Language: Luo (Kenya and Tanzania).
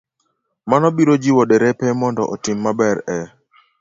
Mano biro jiwo derepe mondo otim maber e